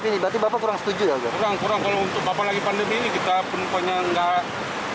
ini berarti bapak kurang setuju agar kurang kurang kalau untuk apa lagi pandemi kita penumpangnya nggak